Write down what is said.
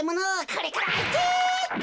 これからあいて！